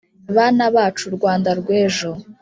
bana bacu rwanda rw’ejo